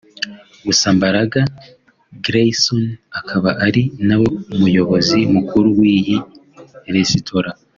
Gusa Mbaraga Greyson akaba ari nawe muyobozi mukuru w’iyi resitora